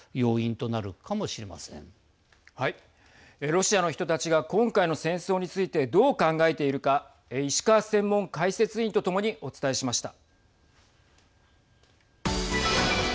ロシアの人たちが今回の戦争についてどう考えているか石川専門解説委員とともにお伝えしました。